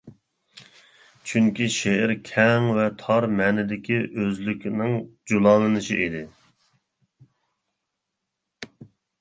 چۈنكى شېئىر كەڭ ۋە تار مەنىدىكى ئۆزلۈكنىڭ جۇلالىنىشى ئىدى.